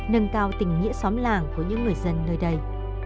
nâng cao tình nghĩa xóm làng của những người dân nơi đây